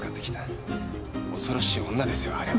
恐ろしい女ですよあれは。